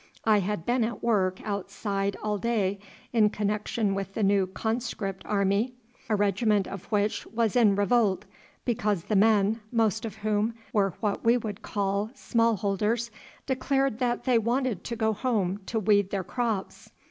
I had been at work outside all day in connection with the new conscript army, a regiment of which was in revolt, because the men, most of whom were what we should call small holders, declared that they wanted to go home to weed their crops.